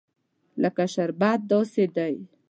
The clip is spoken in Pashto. لکه شربت داسې دي.